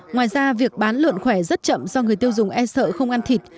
ngoài ra việc bán lợn khỏe rất chậm do người tiêu dùng e sợ không ăn thịt